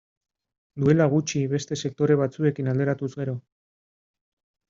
Duela gutxi, beste sektore batzuekin alderatuz gero.